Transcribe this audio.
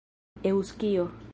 eŭskio